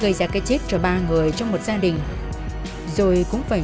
khiến chị tâm và đài có sự đồng cảm